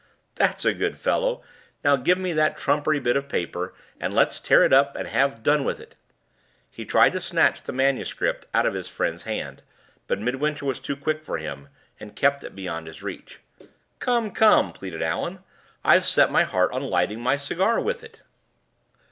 "That's a good fellow! Now give me that trumpery bit of paper, and let's tear it up, and have done with it." He tried to snatch the manuscript out of his friend's hand; but Midwinter was too quick for him, and kept it beyond his reach. "Come! come!" pleaded Allan. "I've set my heart on lighting my cigar with it."